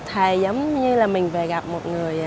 thầy giống như là mình về gặp một người